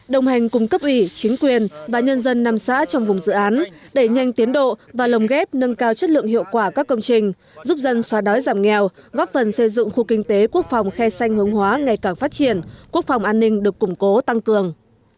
đồng hành cùng cấp ủy chính quyền và nhân dân năm xã trong vùng dự án đẩy nhanh tiến độ và lồng ghép nâng cao chất lượng hiệu quả các công trình giúp dân xóa đói giảm nghèo góp phần xây dựng khu kinh tế quốc phòng khe xanh hướng hóa ngày càng phát triển quốc phòng an ninh được củng cố tăng cường